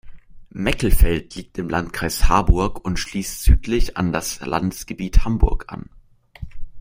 Meckelfeld liegt im Landkreis Harburg und schließt südlich an das Landesgebiet Hamburgs an.